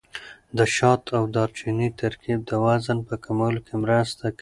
د شات او دارچیني ترکیب د وزن په کمولو کې مرسته کوي.